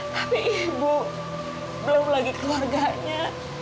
tapi ibu belum lagi keluarganya